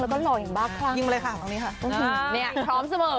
แล้วก็หล่ออย่างบ้าคลั่งยิงมาเลยค่ะตรงนี้ค่ะเนี่ยพร้อมเสมอ